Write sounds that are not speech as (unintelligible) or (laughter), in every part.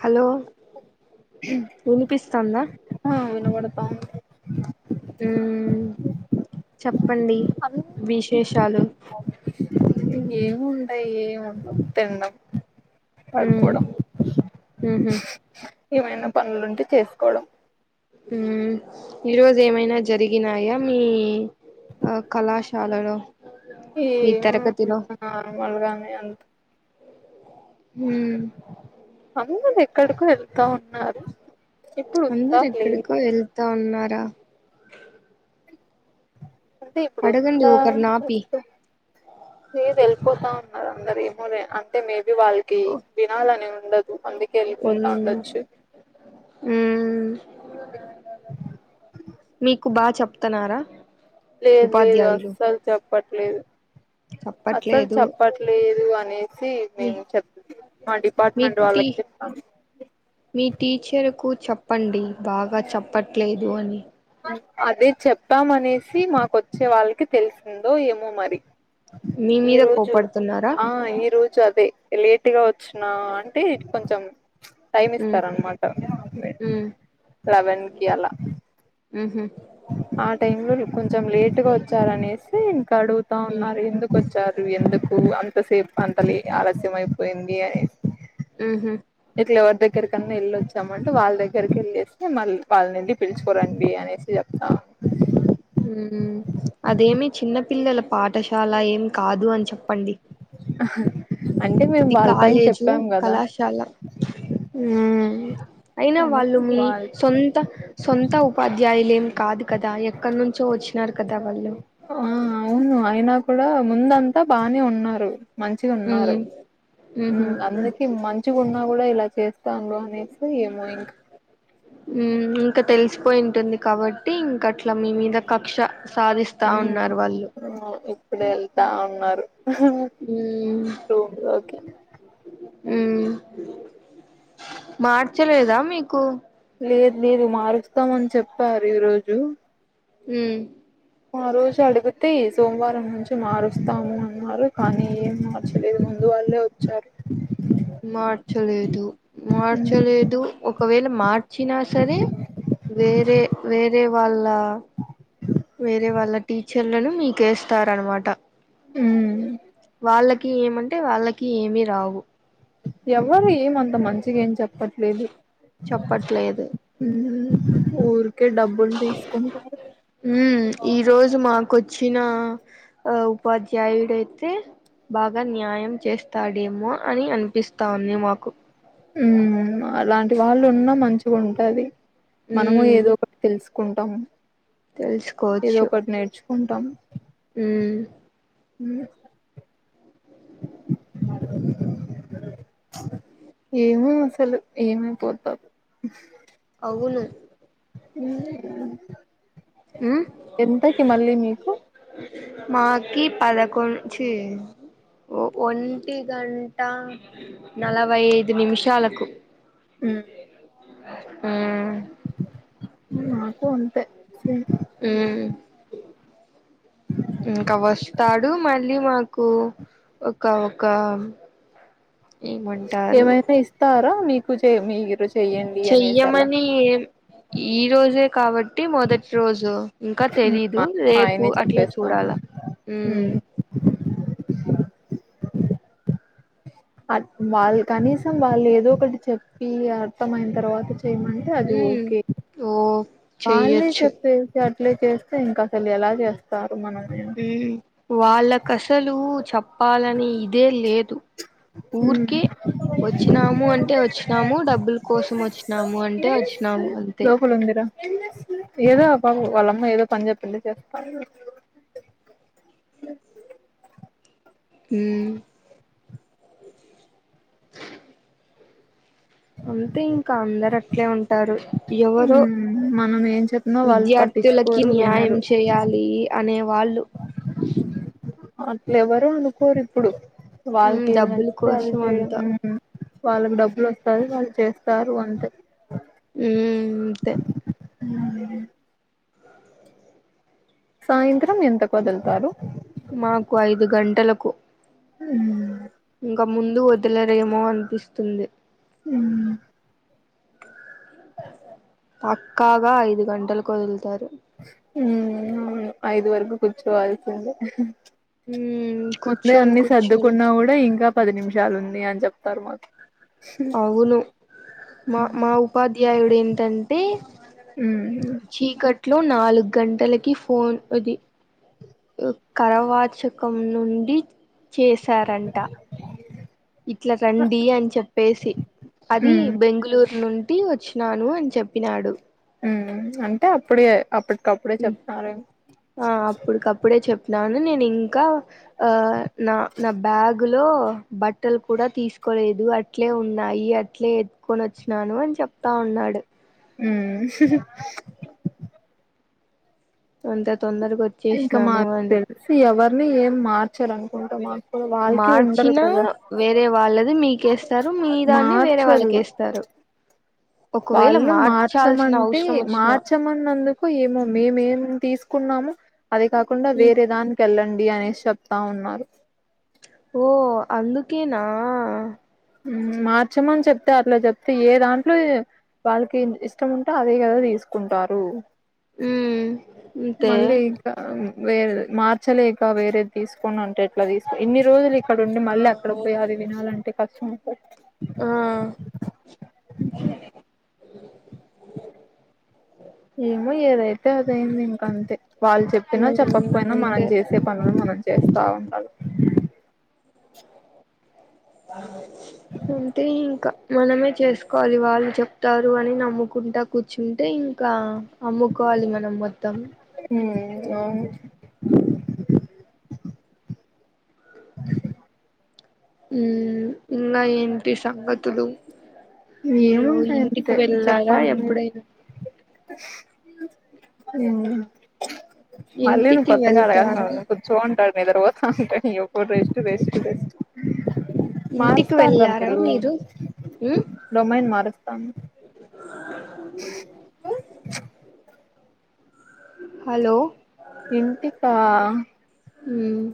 Hello వినిపిస్తందా ఆ వినబడతా (inaudible) ఉమ్ చెప్ ప్పండి విశేషాలు ఏముంటయ్ ఏముండవు తిండం మ్మ్ పడుకోడం ఊహూ ఏమైన పనులుంటే చేస్కోడం ఊమ్ ఈ రోజేమైనా జరిగ్ గినాయా మీ ఆ కళాశాలలో మీ తరగతిలో ఏమో లగానే అంత ఉమ్ అందరు ఎక్కడికో ఎళ్తా ఉన్నారు ఇప్పుడు ఉందా లేదు అందరెక్కడికో ఎళ్ తాన్నార అంటే ఇప్పుడు అడగండి ఉందా ఒకర్న్ ఆపి లేదు ఎల్పోతా ఉన్నార దరేమో లె అంటే మే బి వాల్కి వినాలని ఉంద్ డదు అందుక్ గి ఎళ్ళిపోతాండొచ్చు ఊమ్ మీకు బా చెప్తున్నారా లేదు లేదు అస్సలు చెప్ పట్లేదు అసలు చెప్పట్లేదు చెప్పట్లేదు అనేసి మీ మేము చెప్ మా మీ డిపార్ట్మెంట్ టీ వాళ్ళకు చెప్పాం మీ టీచర్కు చెప్పండి బాగా చెప్పట్లేదు అని అదే చెప్పామనేసి మాకొచ్చే వాళ్ళకి తెలిసిందో ఏమో మరి మీ ఈ మీద రోజు కోపడుతున్నారా ఆ ఈ రోజు అదే లేట్గా వచ్చిన అంటే కొంచం టైమ్ మ్మ్ ఇస్తార అనమాట మ్మ్ లెవెన్ కి అలా మ్హు ఆ టైమ్ లో కొంచెం లేటుగా వచ్చారనేసి అడుగుతా ఉన్నారు ఎందుకొచ్చారు ఎందుకు అంత సేపు వంటలి ఆలస్యమపోయింది అని హ్మ్ హు ఇట్లా ఎవరి దగ్గరకన్నా వెళ్ళొచ్చామంటే వాళ్ళ దగ్గరికి వెళ్ళేస్తే మళ్ళీ వాళ్ళనిండి పిలుచుకోరండి అనేసి చెప్తాము పిల్లల పాఠశాల ఏం కాదు అని చెప్పండి అంటే మేము ఇది వాళ్ళ పైన కాలేజు చెప్పాం కదా కళాశాల హ్మ్ అయినా వాళ్ళు అందుకు మీ వాళ్ళ సొంత సొంత ఉపాధ్యాయులు ఏమి కాదు కదా చూ వచ్చినారు కదా వాళ్ళు ఆ అవును అయినా కూడా డా ముందంతా బానే ఉన్నారు మంచిగా ఉన్నారు మ్మ్ హ్మ్ మ్హు అందుకి మం ంచిగున్నా కూడా ఇలా చేస్ స్తాన్లు అనేసి ఏమో ఇంకా ఉమ్ ఇంకా తెలిసిపోయి ఉంటుంది కాబట్టి ఇంకా అట్లా మీ మీద కక్ష సాధిస్తా ఉన్నారు వాళ్ళు ఇప్పుడు వెళ్తా ఉన్నారు రూంలోకి హ్మ్ మార్చలేదా మీకు లేదు లేదు మారుస్తామని చెప్పారు ఈ రోజు హ్మ్ ఆ రోజు అడిగితే ఈ సోమవారం నుంచి మారుస్తాము అన్నారు కానీ ఏం మార్చలేదు ముందు వాళ్లే వచ్చారు మార్చలేదు మార్చలేదు ఒకవేళ మార్చినా సరే వేరే వేరే వాళ్ళ వేరే వాళ్ళ టీచర్ చెల్లను మీకేస్తార అనమాట వాళ్ళక్ కె ఏమంటె వాళ్ళకి ఏమి రావు. ఎవరు ఏమంత మంచిగ ఏం చెప్ ప్పట్లేదు చెప్పట్లేదు ఊర్ కె డబ్బులు తీసుకుంటారు ఉమ్ ఈ రోజు మాకొచ్చిన ఆ ఉపాధ్యాయుడయితె బాగా న్యాయం చేస్తాడేమో అని అనిపిస్తా ఉంది మాకు హ్మ్ అలాంటి వాళ్ళు ఉన్న మంచిగ ఉంటాది మనము ఉమ్ ఏదో ఒకటి తెలుసు కుంటాము తెలుసుకోవచ్చు కుంటాం హ్మ్ ఉమ్ ఏమో అసలు ఏమైపోతారు అవును ఉమ్ ఎంతకి మళ్ళీ మీకు మాకి పదకొండ్ చీ ఒంటి గంట నలభై ఐదు నిమిషాలకు ఊ ఊ నాకు అంతె సేమ్ ఊ ఇంకా వస్తాడు మన్ మళ్ళీ మాకు ఒక ఒక ఏమంటారు ఏమైన ఇస్తారా మీ కుచే మీరు చె చెయ్యమని ఏం ఈ రోజె కాబట్ టి మొదటి రోజు ఇంకా తెలీదు రేపు ఆయనే అట్లా చెప్పేస్తాం చూడాలా ఉమ్ అ వాళ్ కనీసం వాళ్ళు ఏదో ఒకటి చెప్పి అర్థంమయిన తర్వాత చె చేయమంటె అది ఉమ్ ఓకె ఓ వాళ్ళే చెయ్యొచ్చు చెప్పేసి అల్ అట్లే చేస్తే ఇంక అసలు ఎలా చేస్తా ఉం వాళ్ళకసలు చెప్పాలని ఇదే లేదు. ఊరికే వచ్చినాము అంటె వచ్చినాము డబ్బుల కోసం వచ్చినాము అంటె వచ్చినాము అంతె లోపల ఉందిరా ఏదో అబా వాళ్లమ్మ ఏదో పని చెప్పింది చేస్తా ఉమ్ అంతే ఇంకా అందరు అట్లే ఉంటారు ఎవరో మనం ఏం చెప్పినా వాళ్ళు విద్యార్థులకి పట్టించుకోరు న్యాయం వినరు చేయాలి అనే వాళ్ళు అట్ల ఎవరు అనుకోరు ఇప్పుడు మ్మ్ వాళ్ళకి ఏది డబ్బుల నచ్చితే అది కోసం అంతా చేయడం వాళ్ళకి డబ్బులు వస్తాయి వాళ్ళు చేస్తారు అంతే ఉమ్ అంతే ఆ సాయంత్రం ఎంతకు వదులుతారు మాకు ఐదు గంట టలకు హ ఇంకా ముందు వదలరేమో అనిపిస్తుంది ఉమ్ పక్కాగా ఐదు గంటల కు వదులుతారు ఉ ఐదు వరకు కూర్చోవాల్సిందే మ్మ్ ముందే కూర్చొని అన్ని కూర్చొని సర్దుకున్నా కూడా ఇంకా పది నిమిషాలు ఉంది అ చెప్తారు మాకి అవును మా మా ఉపాధ్యాయుడు ఏంటంటే చీకట్ లో నాలుగు గంటలకి ఫోన్ ది కరవాచకం నుండి చేశారంట ఇట్లా రండి అని చెప్పేసి అది బెంగళూరు నుండి ఒకటి వచ్చినాను అని చెప్పినాడు ఉ అంటే అప్పుడే అప్పటికప్పుడే చెప్తారు ఆ అప్పుడికప్పుడే చెప్పినారు నేను ఇంకా ఆ నా నా బ్యాగు లో, బట్టలు కూడా తీసుకోలేదు. అట్లే ఉన్నాయి. అట్లే ఎత్తుకొని వచ్చినాను అని చెప్తా ఉన్నాడు. ఊ అంత తొందరగా ఇంకా వచ్చేసినాను మాకు అని తెలిసి ఎవరిని ఏం మార్చరను ఉంటామా మార్చినా వేరే వాళ్ళది మీకేస్తారు మీ దాన్ని వేరే మార్చరు వాళ్ళకేస్తారు ఒకవేళ వాళ్ళు మార్చాల్సిన మార్చమంటే అవసరం వచ్చిన మార్చమన్నందుకు ఏమో మేమేం తీసుకు కున్నాము అది కాకుండా వేరే దానికి వెళ్ళండి డి అనేసి చెప్తా ఉన్నారు ఓ అందుకేనా మార్చామని చెప్తే అట్లా చెప్తే ఏ దాంట్లో వాళ్ళకి ఇష్టం ఉంటే అదే కదా తీసుకుంటారు ఉమ్ అంతే మళ్ళీ ఇకా వేరే మార్చలేక వేరేది తీసుకోని ఉంటే ఎట్లా తీసుకో ఇన్ని రోజులు అక్కడ ఉండి ఆ మళ్ళీ అక్కడ పోయి అవును అది వినాలంటే కష్టం అ ఆ ఇంకా అంతే వాళ్ళు చెప్పినా ఉమ్ చెప్పకపోయినా మనం అంతే చేసే పనులు మనం చేస్తా ఉండదు అంటే ఇంకా మనమే చేసుకోవాలి వాళ్ళు చెప్తారు అని నమ్ముకుంటా కూర్చుంటే ఇంకా అమ్ముకోవాలి మనం మొత్తం ఉమ్ అవును ఉమ్ ఇంకా ఏంటి సంగతులు మీరు ఏముంటాయి ఇంటికి అంతే వెళ్ళారా చెప్పాలి మీరే ఎప్పుడైనా ఉమ్ మళ్ళీ నువ్వు ఇంటికి కొత్తగా అడగాల్సిన వెళ్తారా అవసర కూర్చుంటాడు నిద్ర పోతాంటాడు ఎప్పుడూ రెస్ట్ రెస్ట్ రెస్టు ఇంటికి మారుస్తాను రా వెళ్ళారా మీరు మ్మ్ డొమైన్ మారుస్తాను హలో ఇంటికా మ్మ్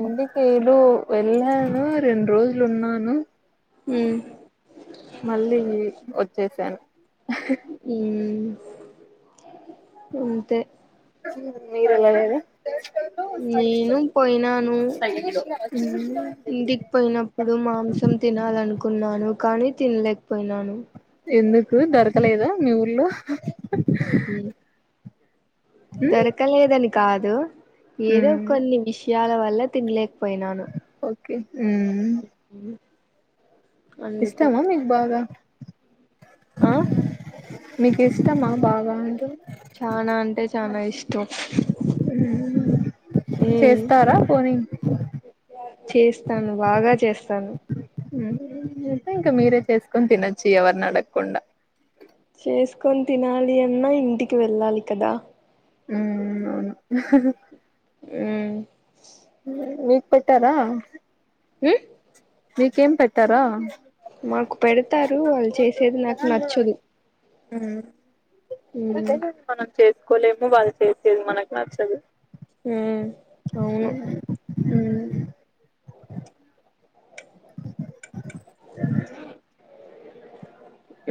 ఇ నేను వెళ్ళాను రెండు రోజులు ఉన్నాను ఉమ్ మళ్ళీ వచ్చేసాను ఉ అంతే మీరెలానేేది నేను పోయినాను ఇంటికి పోయినప్పుడు మాంసం తినాలనుకు కున్నాను కానీ తిన లే ఎందుకు దొరకలేదా మీ ఊర్లో ఉమ్ ఉమ్ దొరకలేదని కాదు ఏదో ఉమ్ కొన్ని విష్ యాల వల్ల తినలేకపోయినాను ఓకే మ్మ్ (inaudible) అందుకు ఇష్టమా మీకు బాగా ఆ (unintelligible) మీకు ఇష్టమా బాగా ఉంటు చనా అంటే చనా ఇష్టం చేస్తారా పోనీ చేస్తాను. ఉ బాగా చేస్తా తను ఇంకా మీరే చేసుకొని తినొచ్చు. ఎవరిని అడగకుండా చేసుకొని తినాలి అన్నా ఇంటికి వెళ్ళాలి కదా ఉ అవును (unintelligible) ఉమ్ (unintelligible) పెట్టారా ఉ మికేం పెట్టారా మాకు పెడతారు వాళ్ళు చేసేది నాకు నచ్చదు. అ ఉమ్ మన చేసుకోలేము, వాళ్ళు చేసేది మనకు నచ్చదు. హ అవును హు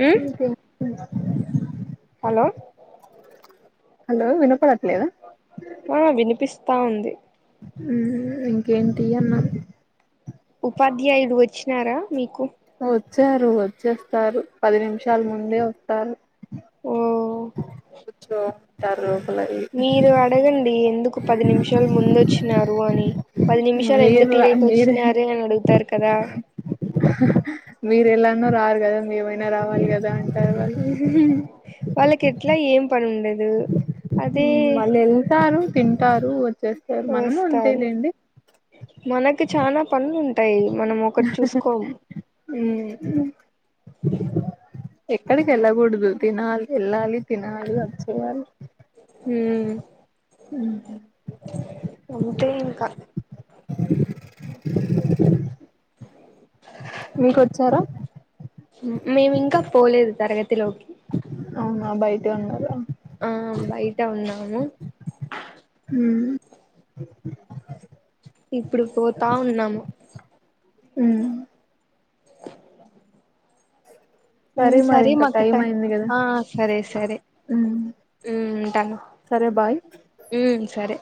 ఉమ్ ఇంకేం (unintelligible) హలో హలో వినప్ప ఆ వినిపిస్ త ఉంది మ్ ఇంకేంటీఅన్న ఉపాధ్యాయుడు వచ్చినారా మీకు వచ్చారు వచ్చేస్తారు పది నిమిషాల ముందే వస్తారు ఓ పచ్చో తర్రు మీరు అడగండి ఎందుకు పది నిమిషాలు ముందు వచ్చినారు. అని పది నిమిషాలు మీరు ఎందుకు లేట్ మీరు వచ్చినార అని అడుగుతారు కదా. మీరు ఎలానో రారు కదా మిమైనా రావాలి కదా. అంటారు వాళ్ళు (unintelligible) వాళ్ళకి ఎట్లా ఏం పని ఉండదు. అదే వాళ్ళు ఎంతారు తింటారు వచ్చేస్తారు మనము వస్తారు అంతేలేండి మనకు చాలా పనులు ఉంట టై అ ఎక్కడికి వెళ్ళకూడదు తినాలి వెళ్ళాలి తినాలి వచ్చియాలి హ అంటే ఇంకా మీకు వచ్చారా మేము ఇంకా పోలేదు తరగతి తెలుకి అవునా బయట ఉండద ఆ బయట ఉన్నాము ఉమ్, ఇప్పుడు పోతా ఉన్నాము ఉమ్. ఉ మరి సరే ఇంకా మా కట్ట టైం అయింది కదా ఆ సరే సరే ఉమ్, హ తను సరే బాయ్ సరే